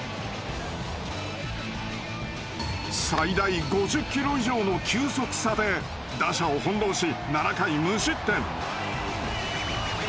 最大５０キロ以上の球速差で打者を翻弄し７回無失点。